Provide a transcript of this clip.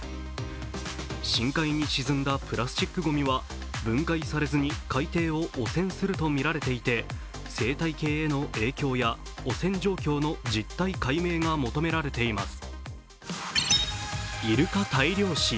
深海に沈んだプラスチックごみは分解されずに海底を汚染するとみられていて生態系への影響や汚染状況の実態解明が求められています。